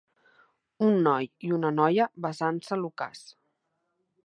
Un noi i una noia besant-se a l'ocàs.